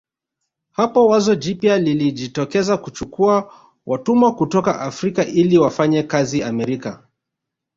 Hapo wazo jipya lilijitokeza kuchukua watumwa kutoka Afrika ili wafanye kazi Amerika